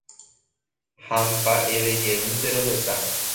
Ha mba'evejeýnte rohecha.